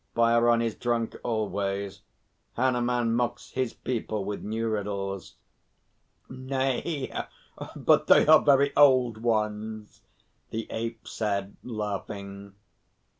Bhairon is drunk always. Hanuman mocks his people with new riddles." "Nay, but they are very old ones," the Ape said, laughing.